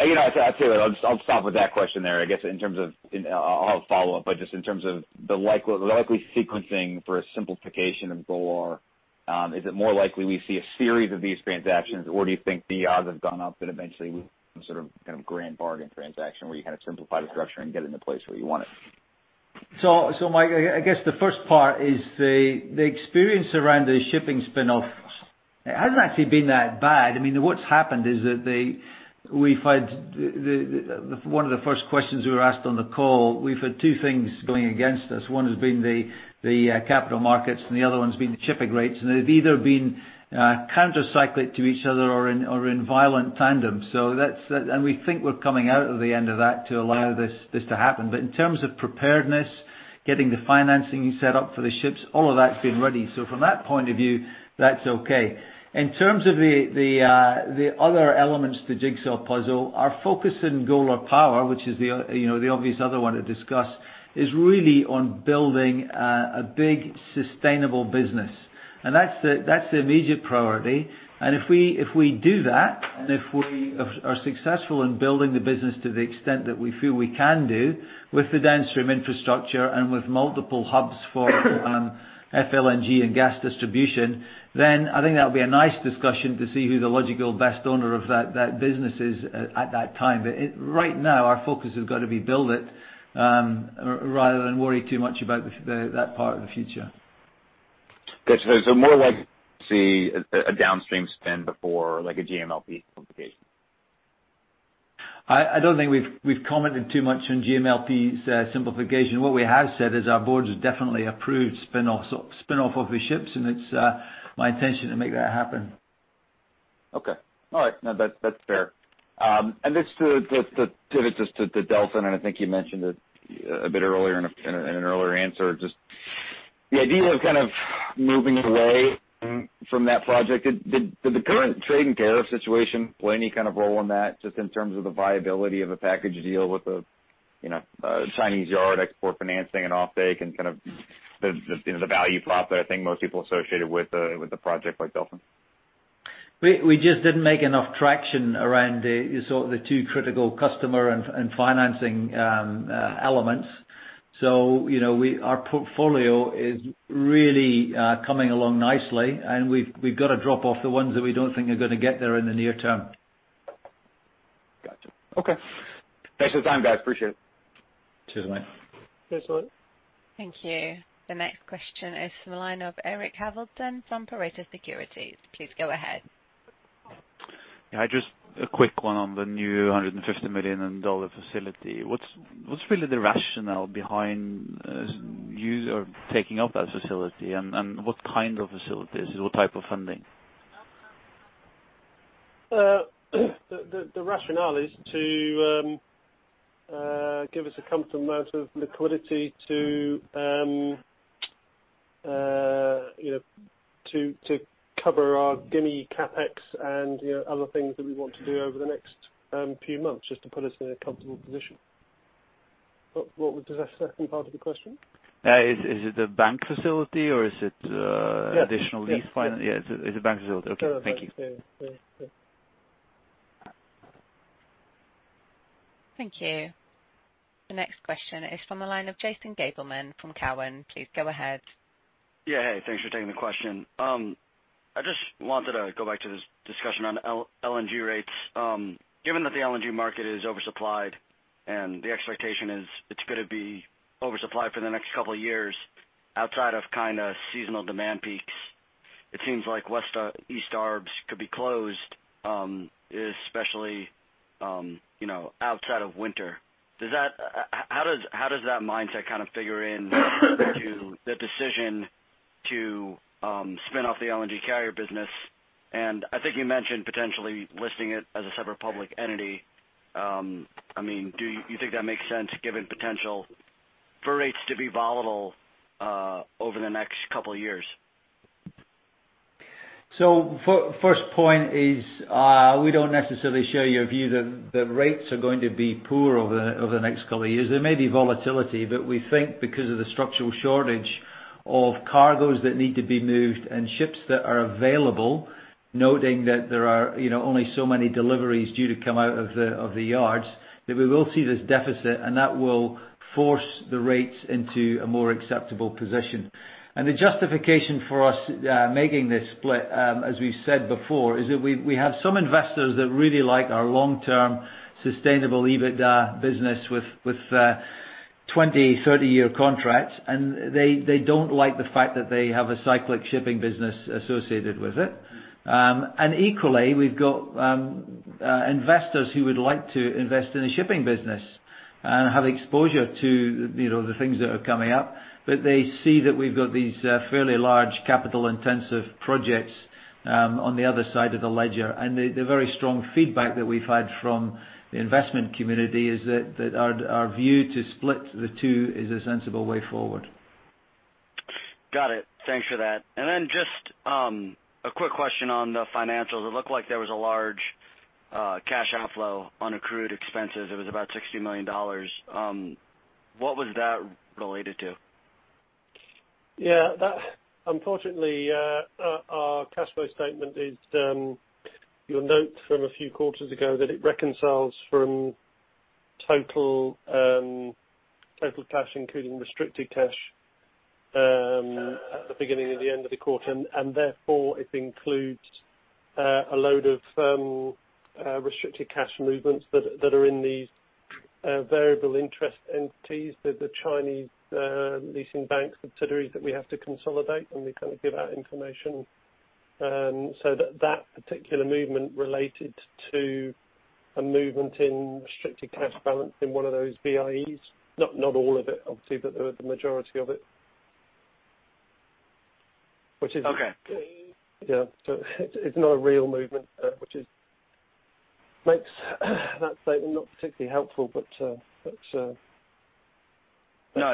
I'll stop with that question there, I guess, I'll follow up, but just in terms of the likely sequencing for a simplification of Golar, is it more likely we see a series of these transactions, or do you think the odds have gone up that eventually some sort of grand bargain transaction where you simplify the structure and get into place where you want it? Mike, I guess the first part is the experience around the shipping spin-off. It hasn't actually been that bad. I mean, what's happened is that we've had one of the first questions we were asked on the call, we've had two things going against us. One has been the capital markets, the other one's been the shipping rates, and they've either been counter-cyclical to each other or in violent tandem. We think we're coming out of the end of that to allow this to happen. In terms of preparedness, getting the financing set up for the ships, all of that's been ready. From that point of view, that's okay. In terms of the other elements of the jigsaw puzzle, our focus in Golar Power, which is the obvious other one to discuss, is really on building a big, sustainable business. That's the immediate priority. If we do that, and if we are successful in building the business to the extent that we feel we can do with the downstream infrastructure and with multiple hubs for FLNG and gas distribution, then I think that'll be a nice discussion to see who the logical best owner of that business is at that time. Right now, our focus has got to be build it, rather than worry too much about that part of the future. Got you. More like see a downstream spin before, like a GMLP simplification. I don't think we've commented too much on GMLP's simplification. What we have said is our boards have definitely approved spin-off of the ships, and it's my intention to make that happen. Okay. All right. No, that's fair. Just to pivot just to Delfin, I think you mentioned it a bit earlier in an earlier answer. Just the idea of kind of moving away from that project. Did the current trade and tariff situation play any kind of role in that, just in terms of the viability of a package deal with the Chinese yard export financing and offtake and kind of the value prop that I think most people associated with a project like Delfin? We just didn't make enough traction around the two critical customer and financing elements. Our portfolio is really coming along nicely, and we've got to drop off the ones that we don't think are going to get there in the near term. Got you. Okay. Thanks for the time, guys. Appreciate it. Cheers, mate. Thanks a lot. Thank you. The next question is from the line of Eirik Hjelmeland from Pareto Securities. Please go ahead. Yeah, just a quick one on the new $150 million facility. What's really the rationale behind you taking up that facility, and what kind of facility is it? What type of funding? The rationale is to give us a comfortable amount of liquidity to cover our Gimi CapEx and other things that we want to do over the next few months, just to put us in a comfortable position. What was the second part of the question? Is it a bank facility or is it- Yes additional lease financing? Yeah. It's a bank facility. Okay, thank you. Yeah. Thank you. The next question is from the line of Jason Gabelman from Cowen. Please go ahead. Yeah. Hey, thanks for taking the question. I just wanted to go back to this discussion on LNG rates. Given that the LNG market is oversupplied and the expectation is it's going to be oversupplied for the next couple of years outside of kind of seasonal demand peaks. It seems like West-East arbs could be closed, especially outside of winter. How does that mindset figure in to the decision to spin off the LNG carrier business? I think you mentioned potentially listing it as a separate public entity. Do you think that makes sense given potential for rates to be volatile over the next couple of years? First point is, we don't necessarily share your view that rates are going to be poor over the next couple of years. There may be volatility, we think because of the structural shortage of cargoes that need to be moved and ships that are available, noting that there are only so many deliveries due to come out of the yards, that we will see this deficit, and that will force the rates into a more acceptable position. The justification for us making this split, as we've said before, is that we have some investors that really like our long-term sustainable EBITDA business with 20, 30-year contracts, and they don't like the fact that they have a cyclic shipping business associated with it. Equally, we've got investors who would like to invest in the shipping business and have exposure to the things that are coming up. They see that we've got these fairly large capital-intensive projects on the other side of the ledger. The very strong feedback that we've had from the investment community is that our view to split the two is a sensible way forward. Got it. Thanks for that. Just a quick question on the financials. It looked like there was a large cash outflow on accrued expenses. It was about $60 million. What was that related to? Yeah, unfortunately, our cash flow statement is, you'll note from a few quarters ago that it reconciles from total cash, including restricted cash, at the beginning and the end of the quarter. Therefore it includes a load of restricted cash movements that are in these variable interest entities with the Chinese leasing banks subsidiaries that we have to consolidate, and we kind of give out information. That particular movement related to a movement in restricted cash balance in one of those VIEs. Not all of it, obviously, but the majority of it. Okay. Yeah. It's not a real movement, which makes that statement not particularly helpful. No,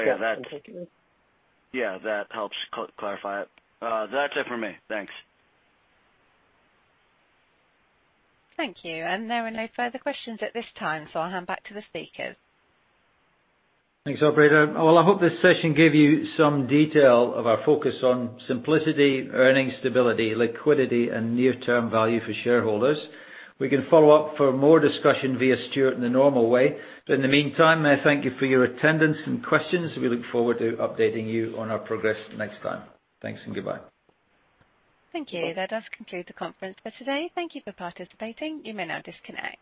yeah, that helps clarify it. That's it for me. Thanks. Thank you. There are no further questions at this time, I'll hand back to the speakers. Thanks, operator. Well, I hope this session gave you some detail of our focus on simplicity, earnings stability, liquidity, and near-term value for shareholders. We can follow up for more discussion via Stuart in the normal way. In the meantime, may I thank you for your attendance and questions. We look forward to updating you on our progress next time. Thanks and goodbye. Thank you. That does conclude the conference for today. Thank you for participating. You may now disconnect.